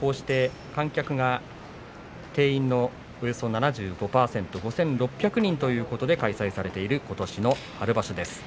こうして観客が定員の７５％５６００人ということで開催されていることしの春場所です。